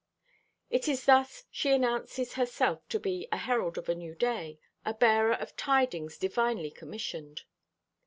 It is thus she announces herself to be a herald of a new day, a bearer of tidings divinely commissioned.